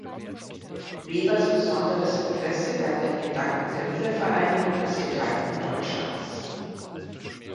Webers besonderes Interesse galt dem Gedanken der Wiedervereinigung des geteilten Deutschlands.